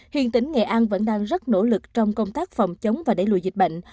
hiện tỉnh nghệ an vẫn đang rất nỗ lực trong công tác phòng chống và đẩy lùi dịch bệnh